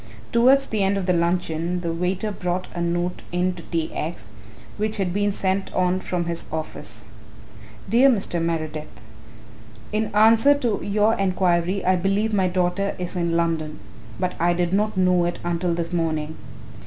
Towards the end of the luncheon the waiter brought a note in to T. X. which had been sent on from his office. "Dear Mr. Meredith, "In answer to your enquiry I believe my daughter is in London, but I did not know it until this morning.